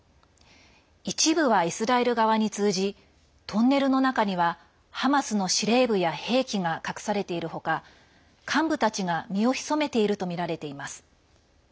一部はイスラエル側に通じトンネルの中にはハマスの司令部や兵器が隠されている他幹部たちが身を潜めているとみられています。